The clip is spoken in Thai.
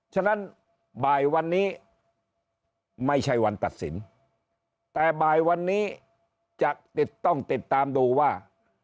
ฉะนั้นบ่ายวันนี้ไม่ใช่วันตัดสินแต่บ่ายวันนี้จะติดต้องติดตามดูว่า